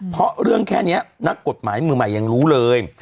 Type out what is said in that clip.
เพราะเรื่องแค่นี้นักกฎหมายมือใหม่ยังรู้เลย